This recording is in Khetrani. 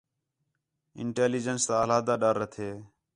انٹیلی جینس تا علیحدہ ڈَر ہَتھے